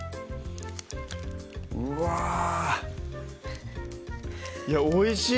うわぁいやおいしい！